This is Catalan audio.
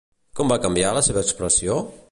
Com va canviar la seva expressió?